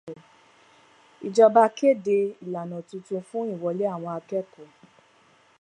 Ìjọba kéde ìlànà tuntun fún ìwọlé àwọn akẹ́kọ̀ọ́.